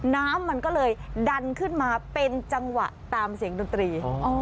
น้ำมันก็เลยดันขึ้นมาเป็นจังหวะตามเสียงดนตรี